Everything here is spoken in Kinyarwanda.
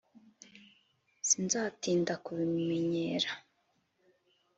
sinzatinda kubimenyera